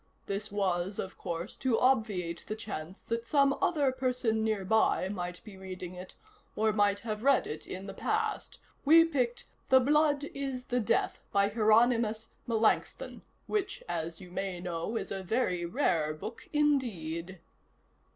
This was, of course, to obviate the chance that some other person nearby might be reading it, or might have read it in the past. We picked The Blood is the Death by Hieronymus Melanchthon, which, as you may know, is a very rare book indeed."